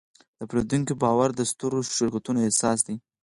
د پیرودونکي باور د سترو شرکتونو اساس دی.